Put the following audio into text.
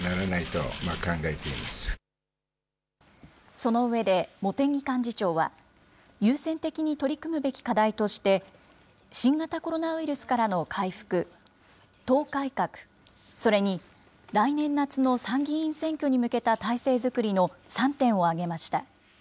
その上で、茂木幹事長は、優先的に取り組むべき課題として、新型コロナウイルスからの回復、党改革、それに来年夏の参議院選挙に向けた体制作りの３点を挙げました。